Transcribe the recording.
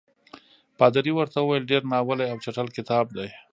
پادري ورته وویل ډېر ناولی او چټل کتاب دی.